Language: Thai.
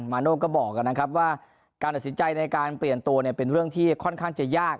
มาโน่ก็บอกนะครับว่าการตัดสินใจในการเปลี่ยนตัวเนี่ยเป็นเรื่องที่ค่อนข้างจะยาก